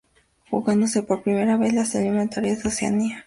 Jugándose por primera vez las eliminatorias de Oceanía.